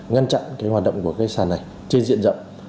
ngăn chặn cái hoạt động của cây sàn này trên diện rộng